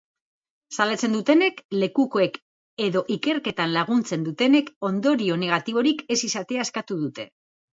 Salatzen dutenek, lekukoek edo ikerketan laguntzen dutenek ondorio negatiborik ez izatea eskatu dute.